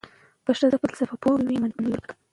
که ښځې فلسفه پوهې وي نو منطق به نه وي ورک.